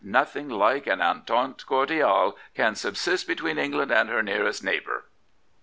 . Nothing like an entente oor diale can subsist between England and her nearest neighbour.